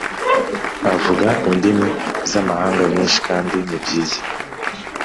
Avuga indimi zamahanga nyishi kandi nibyiza